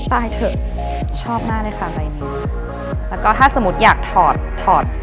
เถอะชอบมากเลยค่ะใบนี้แล้วก็ถ้าสมมุติอยากถอดถอด